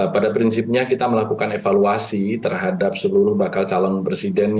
pada prinsipnya kita melakukan evaluasi terhadap seluruh bakal calon presiden